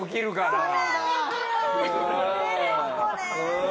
すごいな。